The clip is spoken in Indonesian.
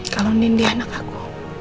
kalau nindy anak aku